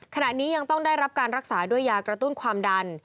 ขณะนี้ยังต้องได้รับการรักษาด้วยยากระตุ้นความดัน